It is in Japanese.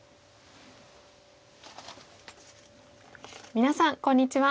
皆さんこんにちは。